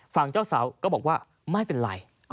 ฝั่งเจ้าสาวก็บอกว่าไม่เป็นไร